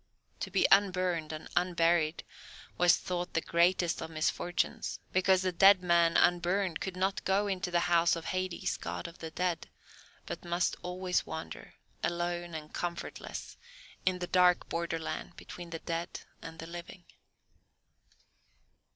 To be unburned and unburied was thought the greatest of misfortunes, because the dead man unburned could not go into the House of Hades, God of the Dead, but must always wander, alone and comfortless, in the dark borderland between the dead and the living.